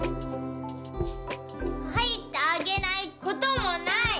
入ってあげないこともない！